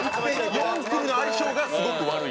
４組の相性がすごく悪い。